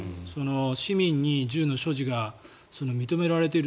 市民に銃の所持が認められている。